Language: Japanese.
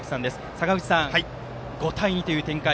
坂口さん、５対２という展開